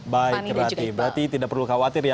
baik berarti tidak perlu khawatir ya